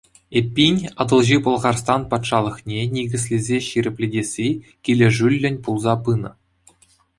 Эппин, Атӑлҫи Пӑлхарстан патшалӑхне никӗслесе ҫирӗплетесси килӗшӳллӗн пулса пынӑ.